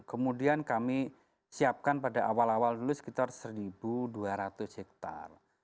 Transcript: kemudian kami siapkan pada awal awal dulu sekitar satu dua ratus hektare